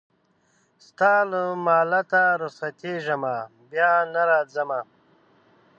ستا له مالته رخصتېږمه بیا نه راځمه